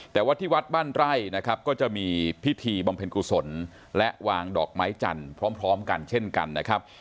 แต่ว่าที่วัดบ้านไร่นะครับก็จะมีพิธีบำเพ็ญกุศลและวางดอกไม้จันทร์พร้อมกันเช่นกันนะครับ